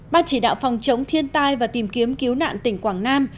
ban chỉ đạo phòng chống thiên tai và tìm kiếm cứu nạn tỉnh quảng nam